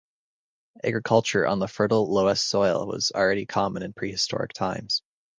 Agriculture on the fertile Loess soil was already common in prehistoric times.